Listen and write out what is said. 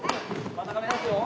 真ん中目ざすよ。